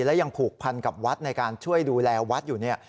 และยังผูกพันกับวัดในการช่วยดูแลวัดอยู่เนี่ย